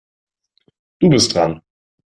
Du bist dran.